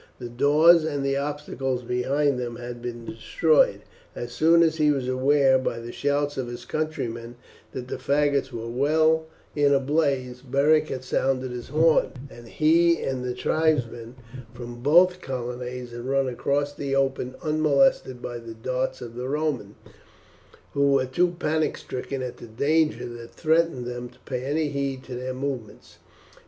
The doors and the obstacles behind them had been destroyed. As soon as he was aware by the shouts of his countrymen that the faggots were well in a blaze, Beric had sounded his horn, and he and the tribesmen from both colonnades had run across the open unmolested by the darts of the Romans, who were too panic stricken at the danger that threatened them to pay any heed to their movements.